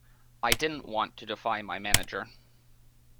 I didn't want to defy my manager.